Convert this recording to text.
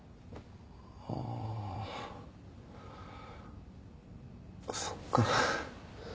あそっか。